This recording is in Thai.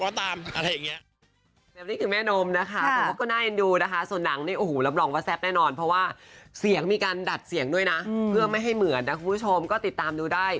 ว่าไงว่าน้องเจี๊ยบก็ตาม